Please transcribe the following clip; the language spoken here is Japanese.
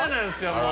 もう。